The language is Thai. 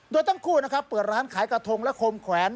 โดยทั้งคู่นะครับเปิดร้านขายกระทงและคมแขวน